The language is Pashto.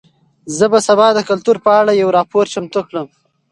زه به سبا د کلتور په اړه یو راپور چمتو کړم.